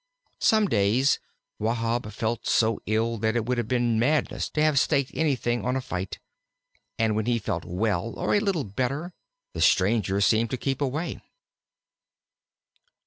Some days Wahb felt so ill that it would have been madness to have staked everything on a fight, and when he felt well or a little better, the stranger seemed to keep away.